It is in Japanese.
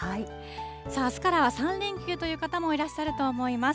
さあ、あすからは３連休という方もいらっしゃると思います。